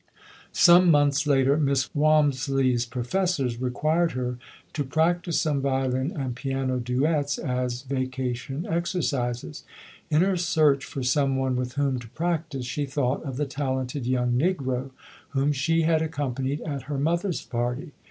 Some months later, Miss Walmisley's profes sors required her to practice some violin and piano duets as vacation exercises. In her search for some one with whom to practice, she thought of the talented young Negro whom she had accom panied at her mother's party.